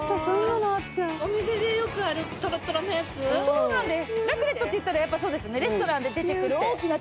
そうなんです。